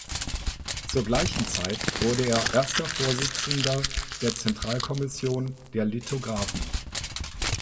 Zur gleichen Zeit wurde er Erster Vorsitzender der Zentralkommission der Lithografen.